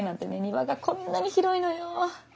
庭がこんなに広いのよ。